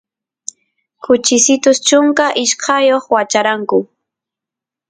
kuchisitus chunka ishkayoq wacharanku